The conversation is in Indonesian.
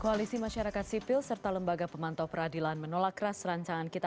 koalisi masyarakat sipil serta lembaga pemantau peradilan menolak keras rancangan kita